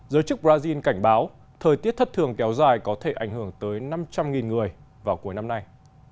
giới chức brazil cảnh báo thời tiết thất thường kéo dài có thể ảnh hưởng tới năm trăm linh người vào cuối năm nay